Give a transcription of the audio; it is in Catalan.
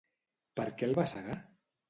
Per què el va cegar?